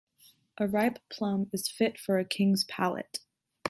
A ripe plum is fit for a king's palate.